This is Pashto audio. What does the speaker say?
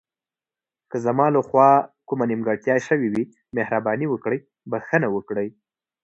که زما له خوا کومه نیمګړتیا شوې وي، مهرباني وکړئ بښنه وکړئ.